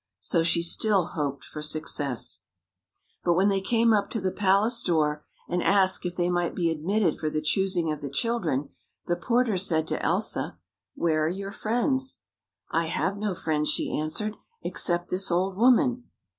So she still hoped for success. 92 THE FOREST FULL OF FRIENDS But when they came up to the palace door, and asked if they might be admitted for the choosing of the children, the porter said to Elsa: "Where are your friends?" " I have no friends," she answered, " except this old woman."